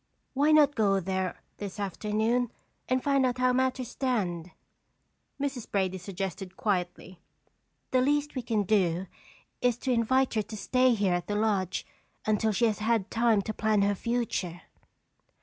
"Why not go over there this afternoon and find out how matters stand?" Mrs. Brady suggested quietly. "The least we can do is to invite her to stay here at the lodge until she has had time to plan her future."